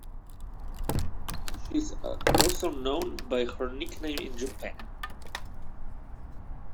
She is also known by her nickname in Japan.